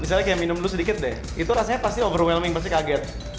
misalnya kayak minum dulu sedikit deh itu rasanya pasti overwelming pasti kaget